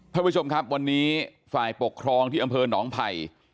ท่านผู้ชมครับวันนี้ฝ่ายปกครองที่อำเภอหนองไผ่